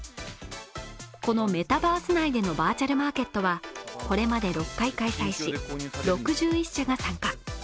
このメタバース内でのバーチャルマーケットはこれまで６回開催され、６１社が参加。